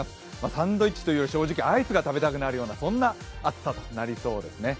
サンドイッチというより正直アイスが食べたくなるような天気となりそうですね。